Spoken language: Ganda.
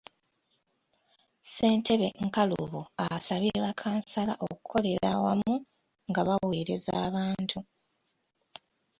Ssentebe Nkalubo asabye bakkansala okukolera awamu nga baweereza abantu.